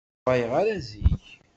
Ur d-ttuɣaleɣ ara zik.